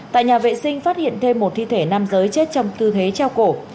tại nhà vệ sinh phát hiện thêm một thi thể nam giới chết trong tư thế trao cổ